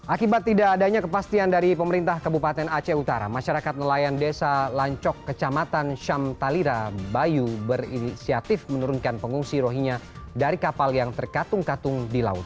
akibat tidak adanya kepastian dari pemerintah kabupaten aceh utara masyarakat nelayan desa lancok kecamatan syam talira bayu berinisiatif menurunkan pengungsi rohingya dari kapal yang terkatung katung di laut